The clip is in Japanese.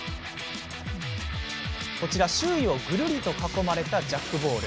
周囲をぐるりと囲まれたジャックボール。